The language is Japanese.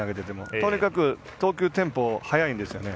とにかく投球のテンポが速いんですよね。